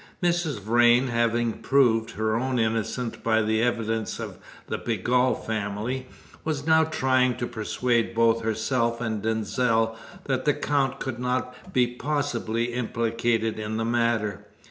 Mrs. Vrain having proved her own innocence by the evidence of the Pegall family, was now trying to persuade both herself and Denzil that the Count could not be possibly implicated in the matter.